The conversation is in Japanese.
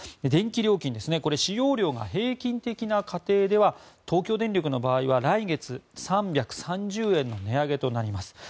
電気料金使用量が平均的な家庭では東京電力の場合は来月３３０円の値上げとなります。